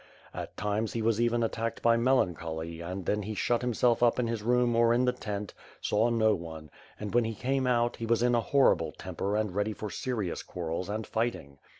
At times he was even attacked by melancholy and then he shut himself up in his room or in the tent, saw no one; and, when he came out, he was in a horrible temper and ready for serious quar rels and fighting.